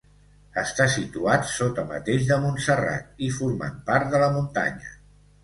Està situat sota mateix de Montserrat i formant part de la muntanya.